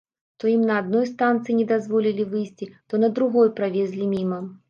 То ім на адной станцыі не дазволілі выйсці, то на другой правезлі міма.